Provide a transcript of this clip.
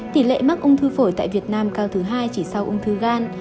tỷ lệ mắc ung thư phổi tại việt nam cao thứ hai chỉ sau ung thư gan